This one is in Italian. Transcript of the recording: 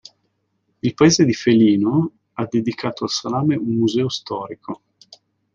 Il paese di Felino ha dedicato al salame un museo storico.